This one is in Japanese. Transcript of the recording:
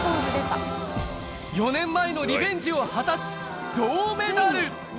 ４年前のリベンジを果たし、銅メダル。